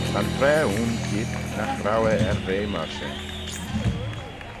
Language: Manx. Va'n traa ayn keayrt nagh row eh er ve myr shen.